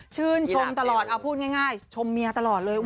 ชื่นชมตลอดเอาพูดง่ายชมเมียตลอดเลย